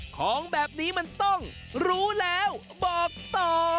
ของแบบนี้มันต้องรู้แล้วบอกต่อ